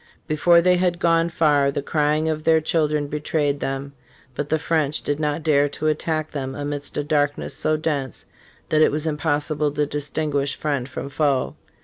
Before they had gone far the crying of their children betrayed them But the French did not dare to attack them amidst a darkness so dense that it was impossi ble to distinguish friend from foe.